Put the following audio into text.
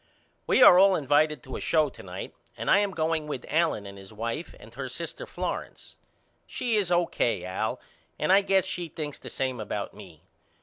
We are all invited to a show to night and I am going with Allen and his wife and her sister Florence. She is O.K. Al and I guess she thinks the same about me.